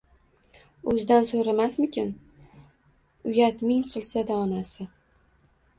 O’zidan so‘rasammikin? Uyat, ming qilsa-da, onasi.